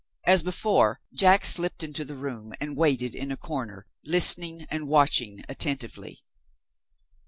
As before, Jack slipped into the room, and waited in a corner, listening and watching attentively.